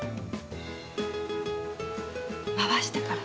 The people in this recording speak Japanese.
回してから。